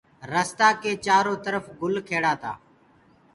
رستآ ڪي چآرو ترڦ گُل کيڙآ تآ